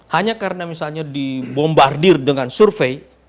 hanya karena misalnya dibombardir dengan survei